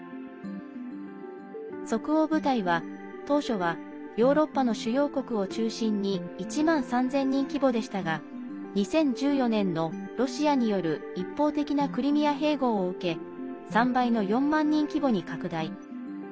即応部隊は、当初はヨーロッパの主要国を中心に１万３０００人規模でしたが２０１４年の、ロシアによる一方的なクリミア併合を受け３倍の４万人規模に拡大。